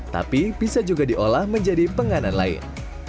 tapi bisa juga diolah menjadi penganan lain